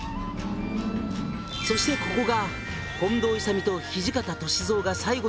「そしてここが近藤勇と土方歳三が」